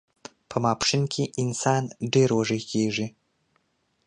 په ماسپښین کې انسان ډیر وږی کیږي